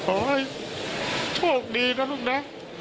โอ้ยโชคดีนะลูกนะ